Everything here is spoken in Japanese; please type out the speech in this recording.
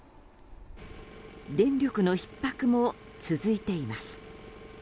電力のひっ迫も続いています。